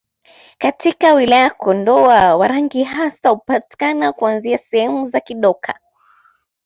Katika wilaya ya Kondoa Warangi hasa hupatikana kuanzia sehemu za Kidoka